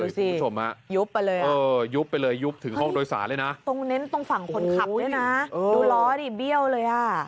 ดูสิยุบไปเลยอ่ะตรงเน้นตรงฝั่งคนขับด้วยนะดูล้อดิเบี้ยวเลยอ่ะ